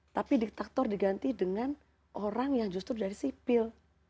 tapi diktator diganti dengan orang yang justru dari sipil